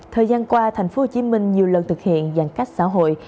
thời gian qua tp hcm nhiều lần thực hiện giãn cách xã hội